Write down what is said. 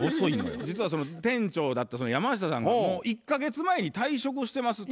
実はその店長だった山下さんがもう１か月前に退職をしてますと。